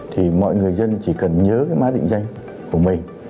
thì mọi người dân chỉ cần nhớ cái mã định danh của mình